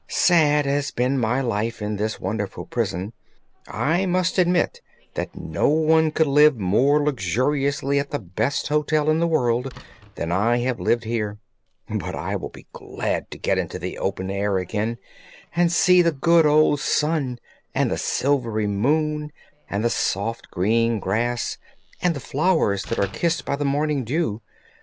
Sad as has been my life in this wonderful prison, I must admit that no one could live more luxuriously in the best hotel in the world than I have lived here; but I will be glad to get into the open air again and see the good old sun and the silvery moon and the soft green grass and the flowers that are kissed by the morning dew.